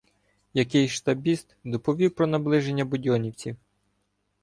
Якийсь штабіст доповів про наближення будьонівців.